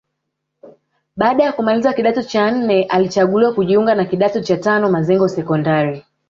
Baada ya kumaliza kidato cha nne alichaguliwa kujiunga na kidato cha tano Mazengo Sekondari